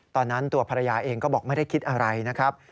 ตอนนั้นตัวภรรยาเองก็บอกไม่ได้คิดอะไรนะครับ